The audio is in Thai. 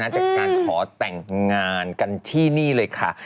จากการขอแต่งงานกันที่นี่เลยค่ะ